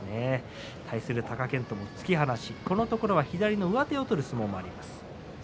対する貴健斗の突き放しをこのところは上手を取る相撲もあります。